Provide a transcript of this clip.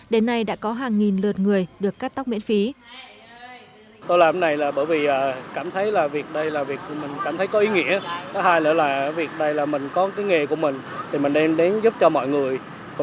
đến nay đã có hàng nghìn lượt người được cắt tóc miễn phí